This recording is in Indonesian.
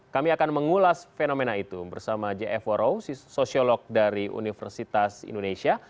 kami akan mengulas fenomena itu bersama j f worow sosiolog dari universitas indonesia